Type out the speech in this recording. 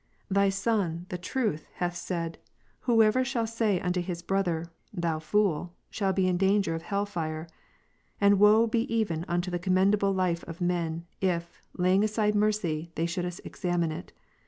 Thy Son, the Truth, hath said. Whosoever shall say unto his Mat. 5, brother, Thou fool, shall be in danger of hell fire. And woe "" be even unto the commendable life of men, if, laying aside mercy, Thou shouldest examine it.